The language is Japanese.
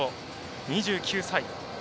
２９歳。